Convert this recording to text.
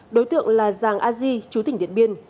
đối tượng là giàng a di chú tỉnh điện biên